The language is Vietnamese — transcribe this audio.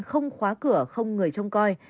không khóa cửa không người trông coi